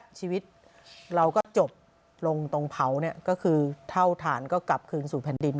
ชีวิตเราก็จบลงตรงเผาเนี่ยก็คือเท่าฐานก็กลับคืนสู่แผ่นดิน